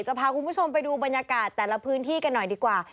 พาคุณผู้ชมไปดูบรรยากาศแต่ละพื้นที่กันหน่อยดีกว่า